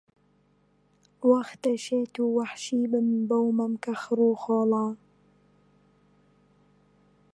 وەختە شێت و وەحشی بم بەو مەمکە خڕ و خۆڵە